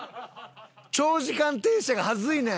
長時間停車が恥ずいねん。